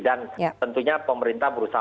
dan tentunya pemerintah berusaha